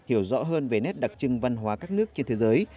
hiểu rõ hơn về nét đặc trưng văn hóa các nước trên thế giới